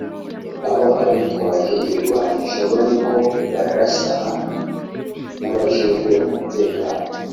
aho abitwaje ibirwanisho bariko bararasana n'abajejwe umutekano